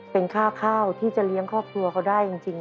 เป็นค่าข้าวที่จะเลี้ยงครอบครัวเขาได้จริง